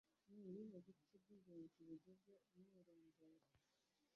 Ni ibihe bice by’ingenzi bigize umwirondoro?